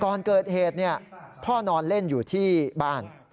ก่อนเกิดเหตุพ่อนอนเล่นอยู่ที่บ้าน